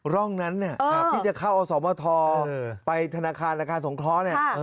ร่องนั้นที่จะเข้าอสมทไปธนาคารอาคารสงเคราะห์